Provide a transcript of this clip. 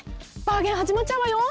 バーゲンはじまっちゃうわよ。